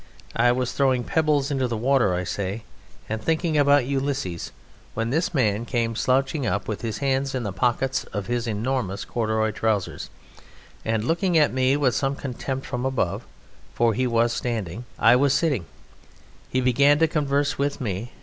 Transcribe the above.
I was throwing pebbles into the water, I say, and thinking about Ulysses, when this man came slouching up, with his hands in the pockets of his enormous corduroy trousers, and, looking at me with some contempt from above (for he was standing, I was sitting), he began to converse with me.